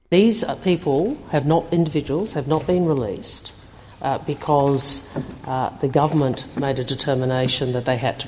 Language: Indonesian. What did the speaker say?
mereka tidak dikeluarkan karena pemerintah membuat keputusan untuk dikeluarkan